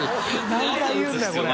何回言うんだよこれ。